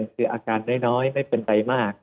คืออาการน้อยไม่เป็นไรมาก